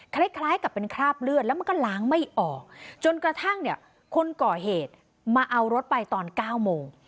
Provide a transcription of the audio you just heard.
คล้ายกับเป็นคราบเลือดแล้วมันก็ล้างไม่ออกจนกระทั่งเนี่ยคนก่อเหตุมาเอารถไปตอน๙โมง